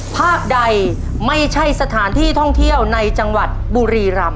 ภาคใดไม่ใช่สถานที่ท่องเที่ยวในจังหวัดบุรีรำ